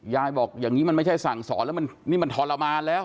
บอกอย่างนี้มันไม่ใช่สั่งสอนแล้วมันนี่มันทรมานแล้ว